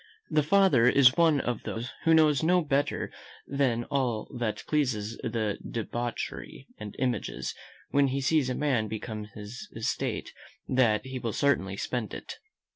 The father is one of those who knows no better than that all pleasure is debauchery, and imagines, when he sees a man become his estate, that he will certainly spend it.